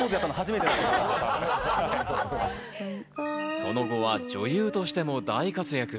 その後は女優としても大活躍。